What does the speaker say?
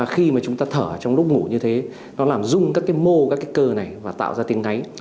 khi chúng ta thở trong lúc ngủ như thế nó làm rung các mô và cơ này và tạo ra tiếng ngáy